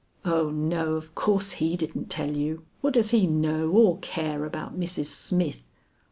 "Oh no, of course he didn't tell you; what does he know or care about Mrs. Smith!"